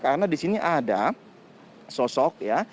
karena di sini ada sosok ya